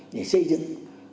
để xây dựng